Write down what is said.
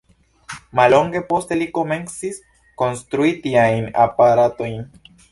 Mallonge poste li komencis konstrui tiajn aparatojn.